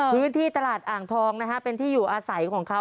พื้นที่ตลาดอ่างทองนะฮะเป็นที่อยู่อาศัยของเขา